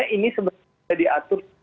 ini sebetulnya diatur